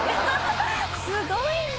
すごいな！